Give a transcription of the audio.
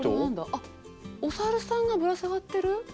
あっお猿さんがぶら下がってる？